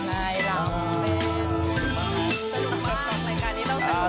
สนุกมากรายการนี้เราก็เสนอมาก